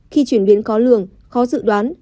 khi chuyển biến khó lường khó dự đoán